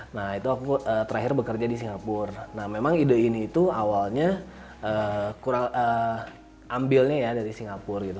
nah itu aku terakhir bekerja di singapura nah memang ide ini itu awalnya kurang ambilnya ya dari singapura gitu